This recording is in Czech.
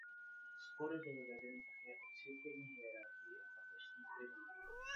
Spory byly vedeny také o církevní hierarchii a papežský primát.